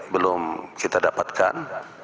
belum kita dapatkan